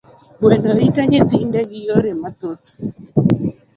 Gweno rito nyithinde gi yore mathoth.